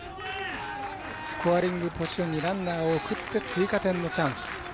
スコアリングポジションにランナーを送って追加点のチャンス。